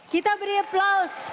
kita beri aplaus